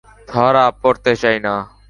ধরা পড়তে চাই না।